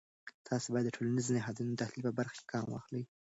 تاسې باید د ټولنیزو نهادونو د تحلیل په برخه کې ګام واخلی.